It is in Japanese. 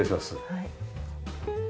はい。